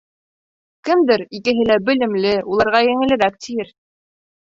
Кемдер, икеһе лә белемле, уларға еңелерәк, тиер.